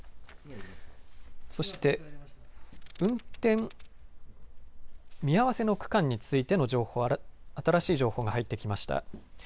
そして運転見合わせの区間についての情報を新しい情報が入ってきました。